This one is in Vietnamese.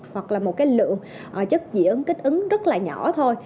hoặc là một cái lượng chất diễn kích ứng rất là nhỏ thôi